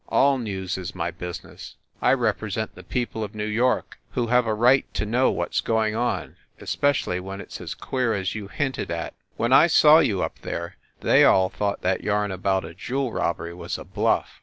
"All news is my business. I represent the people of New York, who have a right to know what s go ing on especially when it s as queer as you hinted at. When I saw you up there they all thought that yarn about a jewel robbery was a bluff.